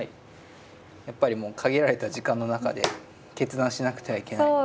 やっぱりもう限られた時間の中で決断しなくてはいけないので。